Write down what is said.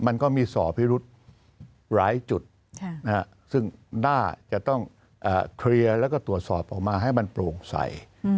มันก็มีส่อพิรุธหลายจุดซึ่งน่าจะต้องเคลียร์แล้วก็ตรวจสอบออกมาให้มันโปร่งใส